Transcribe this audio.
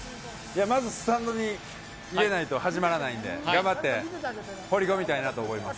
まずスタンドに入れないと始まらないんで、頑張って放り込みたいなと思います。